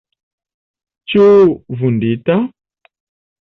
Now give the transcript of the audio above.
Ĉu vundita?